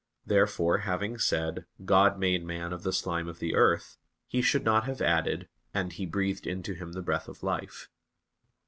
Therefore, having said, "God made man of the slime of the earth," he should not have added: "And He breathed into him the breath of life."